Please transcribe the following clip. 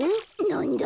なんだ？